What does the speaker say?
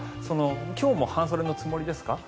今日も半袖のつもりですか？